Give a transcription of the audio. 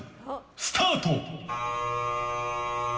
スタート！